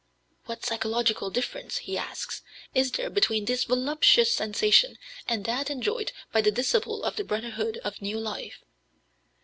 "What physiological difference," he asks, "is there between this voluptuous sensation and that enjoyed by the disciple of the Brotherhood of New Life?